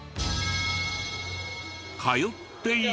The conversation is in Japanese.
通っているのは。